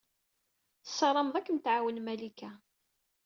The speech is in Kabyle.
Tessarameḍ ad kem-tɛawen Malika.